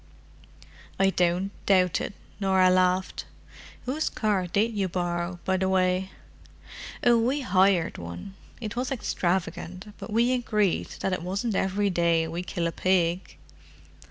"I don't doubt it," Norah laughed. "Whose car did you borrow, by the way?" "Oh, we hired one. It was extravagant, but we agreed that it wasn't every day we kill a pig!"